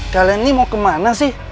kalian ini mau kemana sih